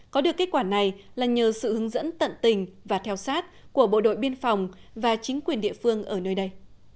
có được kết quả này là nhờ sự hướng dẫn tận tình và theo sát của bộ đội biên phòng và chính quyền địa phương ở nơi đây